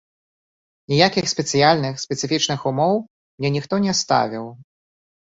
Ніякіх спецыяльных, спецыфічных умоў мне ніхто не ставіў.